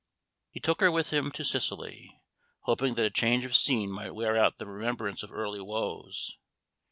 He took her with him to Sicily, hoping that a change of scene might wear out the remembrance of early woes.